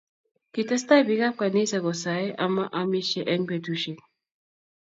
Kitestai biik ab kanisa kosae ama amishiw eng betusiek